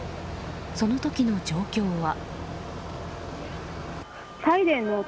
その時の状況は。